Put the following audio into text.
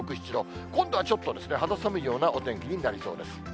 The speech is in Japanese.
今度はちょっと肌寒いようなお天気になりそうです。